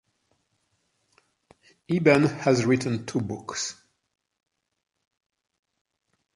Eban has written two books.